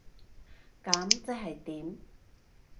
噉即係點？